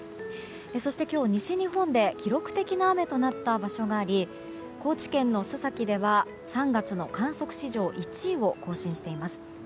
そして今日、西日本で記録的な雨となった場所があり高知県の須崎では３月の観測史上１位を更新しています。